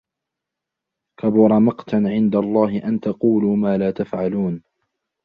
كَبُرَ مَقْتًا عِنْدَ اللَّهِ أَنْ تَقُولُوا مَا لَا تَفْعَلُونَ